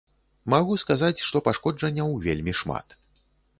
Магу сказаць, што пашкоджанняў вельмі шмат.